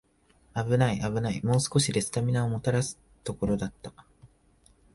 あぶないあぶない、もう少しでスタミナもらすところだった